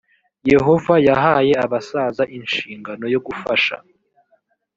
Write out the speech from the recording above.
yehova yahaye abasaza inshingano yo gufasha